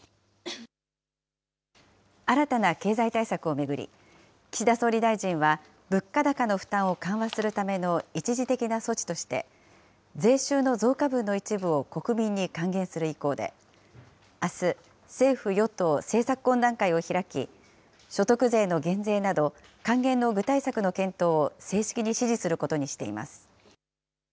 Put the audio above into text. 新たな経済対策を巡り、岸田総理大臣は、物価高の負担を緩和するための一時的な措置として、税収の増加分の一部を国民に還元する意向で、あす、政府与党政策懇談会を開き、所得税の減税など、還元の具体策の検討を正式に指示することにしています。